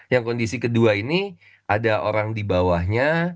yang kondisi kedua ini ada orang di bawahnya